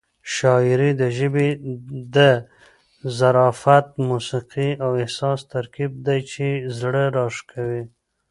شاعري د ژبې د ظرافت، موسيقۍ او احساس ترکیب دی چې زړه راښکوي.